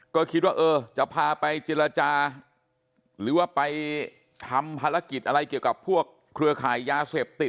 ก็คิดว่าเออจะพาไปเจรจาหรือว่าไปทำภารกิจอะไรเกี่ยวกับพวกเครือข่ายยาเสพติด